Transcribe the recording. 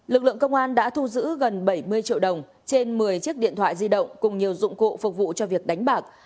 lực lượng công an đã thu giữ gần bảy mươi triệu đồng trên một mươi chiếc điện thoại di động cùng nhiều dụng cụ phục vụ cho việc đánh bạc